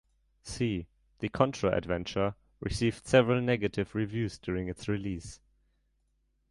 "C: The Contra Adventure" received several negative reviews during its release.